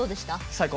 最高！